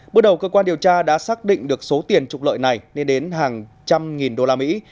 bước đầu cơ quan điều tra đã xác định được số tiền trục lợi này lên đến hàng trăm nghìn đô la mỹ